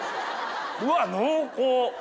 うわっ濃厚。